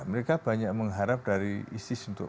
mereka banyak mengharap dari isis untuk